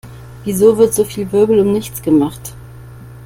Wieso wird so viel Wirbel um nichts gemacht?